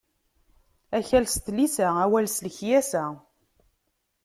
Akkal s tlisa, awal s lekyasa.